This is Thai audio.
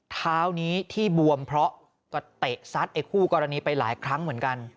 เท้านี้ที่บวมเพราะก็เตะซัดไอ้คู่กรณีไปหลายครั้งเหมือนกัน